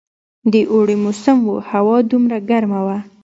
د اوړي موسم وو، هوا دومره ګرمه وه.